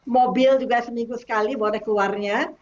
mobil juga seminggu sekali boleh keluarnya